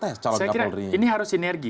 saya kira ini harus sinergi